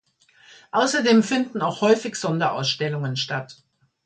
Außerdem finden auch häufig Sonderausstellungen statt.